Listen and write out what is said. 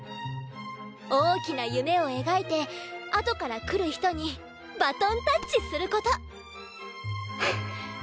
大きな夢を描いてあとから来る人にバトンタッチする事！